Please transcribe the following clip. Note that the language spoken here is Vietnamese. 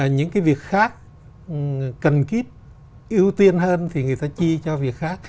những cái việc khác cần kiếp ưu tiên hơn thì người ta chi cho việc khác